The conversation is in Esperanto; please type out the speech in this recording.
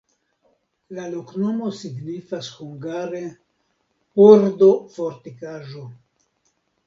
La loknomo signifas hungare: pordo-fortikaĵo.